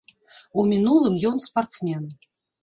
У мінулым ён спартсмен.